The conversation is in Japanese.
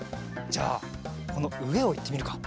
じゃあこのうえをいってみるか。